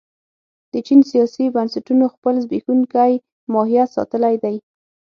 د چین سیاسي بنسټونو خپل زبېښونکی ماهیت ساتلی دی.